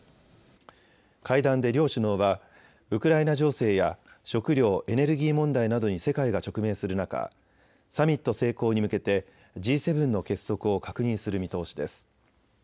会談で両首脳はウクライナ情勢や食料・エネルギー問題などに世界が直面する中サミット成功に向けてＧ７の結束を確認する見通しです。